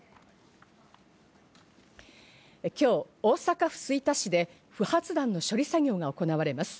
今日、大阪府吹田市で不発弾の処理作業が行われます。